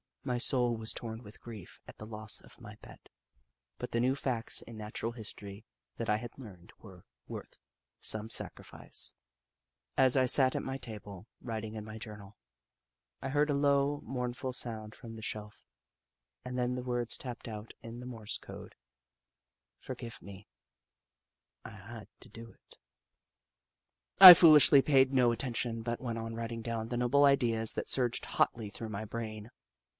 My soul was torn with grief at the loss of my pet, but the new facts in Natural History that I had learned were worth some sacrifice. As I sat at my table, writing in my journal, I heard a low, mournful sound from the shelf and then the words, tapped out in the Morse code :" Forgive me ; I had to do it." " Jnsiiiictively, I followed them." Little Upsidaisi 21 I foolishly paid no attention, but went on writing down the noble ideas that surged hotly through my brain.